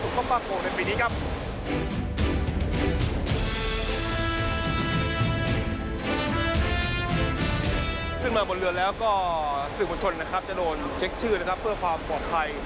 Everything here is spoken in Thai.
ขึ้นมาบนเรือแล้วก็สื่อมวลชนนะครับจะโดนเช็คชื่อนะครับเพื่อความปลอดภัย